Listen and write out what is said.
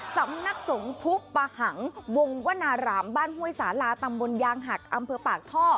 สำนักสงฆ์ภูปะหังวงวนารามบ้านห้วยสาลาตำบลยางหักอำเภอปากท่อ